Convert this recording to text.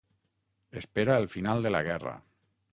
Espera el final de la guerra.